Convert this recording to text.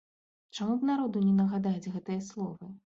Чаму б народу не нагадаць гэтыя словы?